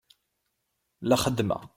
La xeddemeɣ.